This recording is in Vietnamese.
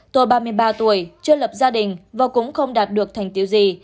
tôi ba mươi ba tuổi chưa lập gia đình và cũng không đạt được thành tiêu gì